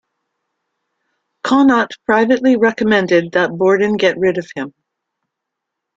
Connaught privately recommended that Borden get rid of him.